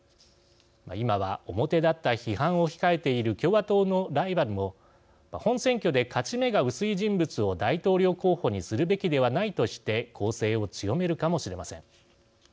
今は表立った批判を控えている共和党のライバルも本選挙で勝ち目が薄い人物を大統領候補にするべきではないとして攻勢を強めるかもしれません。